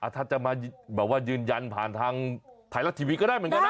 ถ้าจะมาแบบว่ายืนยันผ่านทางไทยรัฐทีวีก็ได้เหมือนกันนะ